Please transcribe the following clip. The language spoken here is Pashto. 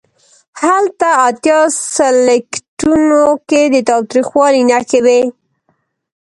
هلته اتیا سلکیټونو کې د تاوتریخوالي نښې وې.